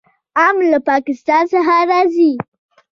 ام له پاکستان څخه راځي.